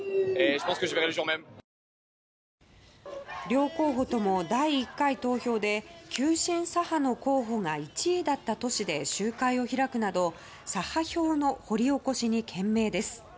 両候補とも第１回投票で急進左派の候補が１位だった都市で集会を開くなど左派票の掘り起こしに懸命です。